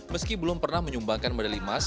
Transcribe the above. meski belum pernah menyumbangkan medali emas